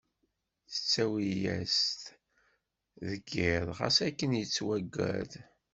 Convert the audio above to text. Tettawi-yas-t deg iḍ, ɣas akken yettwaggad.